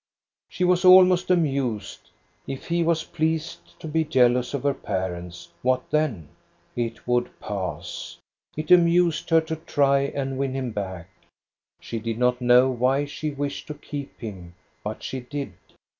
She was almost amused. If he was pleased to be jealous of her parents, what then ? It would pass. It amused her to try and win him back. She did not know why she wished to keep him, but she did.